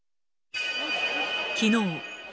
きのう。